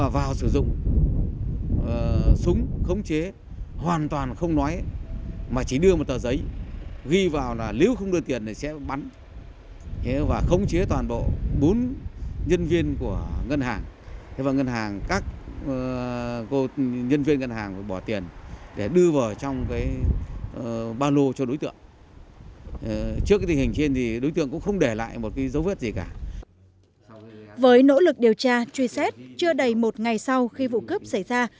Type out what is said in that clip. với nỗ lực điều tra truy xét chưa đầy một ngày sau khi vụ cướp xảy ra